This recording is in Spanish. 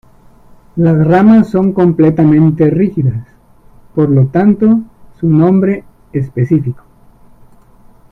Las ramas son completamente rígidas, por lo tanto su nombre específico.